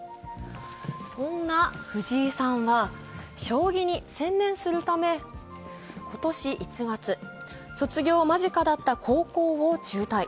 そんな藤井さんは将棋に専念するため今年１月、卒業間近だった高校を中退。